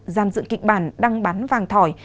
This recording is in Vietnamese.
giam dự kịch bản đăng bán vàng thỏi